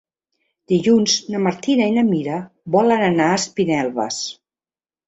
Dilluns na Martina i na Mira volen anar a Espinelves.